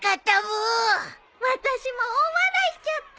私も大笑いしちゃった。